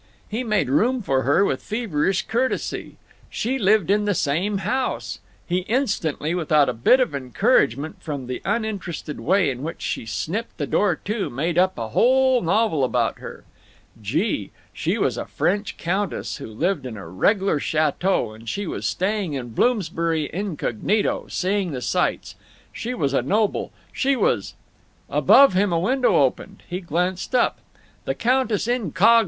He made room for her with feverish courtesy. She lived in the same house—He instantly, without a bit of encouragement from the uninterested way in which she snipped the door to, made up a whole novel about her. Gee! She was a French countess, who lived in a reg'lar chateau, and she was staying in Bloomsbury incognito, seeing the sights. She was a noble. She was— Above him a window opened. He glanced up. The countess incog.